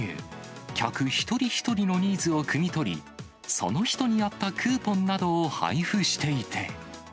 客一人一人のニーズをくみ取り、その人に合ったクーポンなどを配布していて。